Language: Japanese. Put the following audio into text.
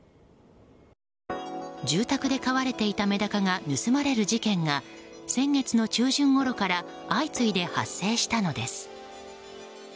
住宅で飼われていたメダカが盗まれる事件が先月の中旬ごろから相次いで発生したのです。